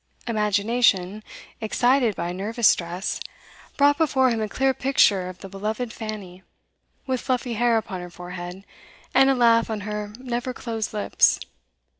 Imagination, excited by nervous stress, brought before him a clear picture of the beloved Fanny, with fluffy hair upon her forehead and a laugh on her never closed lips.